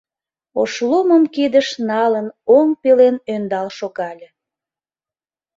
Ошлумым кидыш налын оҥ пелен ӧндал шогале.